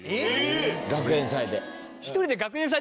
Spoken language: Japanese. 学園祭で。